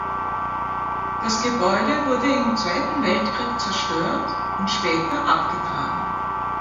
Das Gebäude wurde im Zweiten Weltkrieg zerstört und später abgetragen.